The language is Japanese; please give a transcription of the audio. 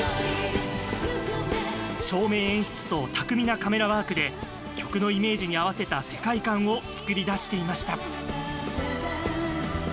照明演出と巧みなカメラワークで曲のイメージに合わせた世界観を作り出していました。